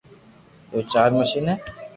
جو چار مݾين ھي